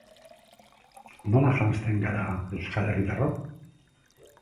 Nola janzten gara euskal herritarrok?